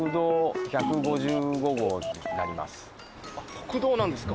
国道なんですか。